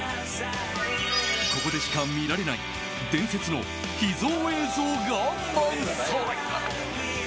ここでしか見られない伝説の秘蔵映像が満載！